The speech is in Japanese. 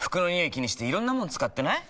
気にしていろんなもの使ってない？